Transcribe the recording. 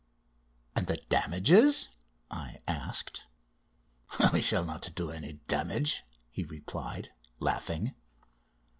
"And the damages?" I asked. "We shall not do any damage!" he replied, laughing.